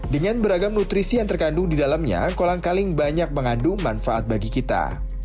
dengan beragam nutrisi yang terkandung di dalamnya kolang kaling banyak mengandung manfaat bagi kita